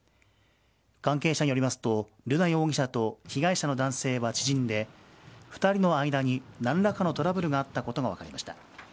関係者によりますと瑠奈容疑者と被害者の男性は知人で２人の間に何らかのトラブルがあったことが分かりました。